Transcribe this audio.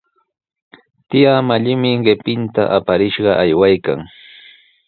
Tiyaa Mallimi qipinta aparishqa aywaykan.